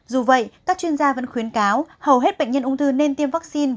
dù vậy các chuyên gia vẫn khuyến cáo hầu hết bệnh nhân ung thư nên tiêm vaccine